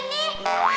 ala santai dong ya